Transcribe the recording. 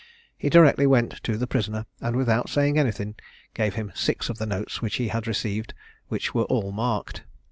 He directly went to the prisoner, and without saying anything, gave him six of the notes which he had received, and which were all marked.